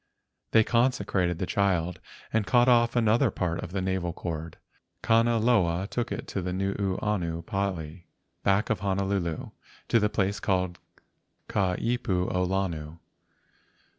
They con¬ secrated the child, and cut off another part of the navel cord. Kanaloa took it to the Nuuanu pali back of Honolulu, to the place called Ka ipu o Lono.